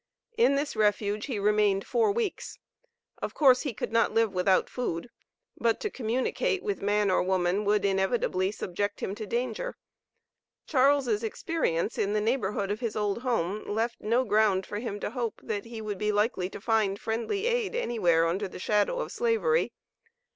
In this refuge he remained four weeks. Of course he could not live without food; but to communicate with man or woman would inevitably subject him to danger. Charles' experience in the neighborhood of his old home left no ground for him to hope that he would be likely to find friendly aid anywhere under the shadow of Slavery.